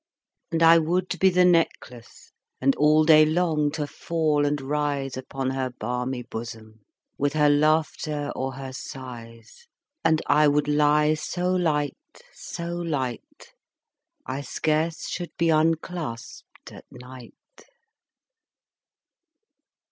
And I would be the necklace, And all day long to fall and rise Upon her balmy bosom, 15 With her laughter or her sighs: And I would lie so light, so light, I scarce should be unclasp'd at night.